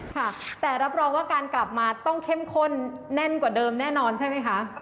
ค่ะแต่รับรองว่าการกลับมาต้องเข้มข้นแน่นกว่าเดิมแน่นอนใช่ไหมคะ